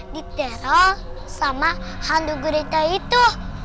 diterol sama hantu gurita itu